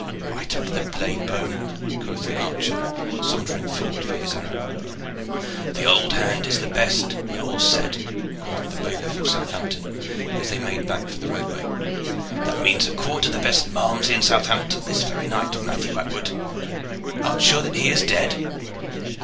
"Right under the blade bone!" quoth the archer, sauntering forward for his arrow. "The old hound is the best when all is said," quoth the bailiff of Southampton, as they made back for the roadway. "That means a quart of the best malmsey in Southampton this very night, Matthew Atwood. Art sure that he is dead?"